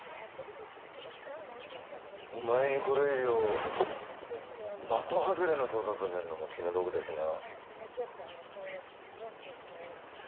お前にこれ以上的外れな捜査させるのも気の毒だしな。